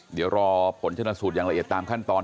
เดี๋ยวรอผลชนะสูตรอย่างละเอียดตามขั้นตอน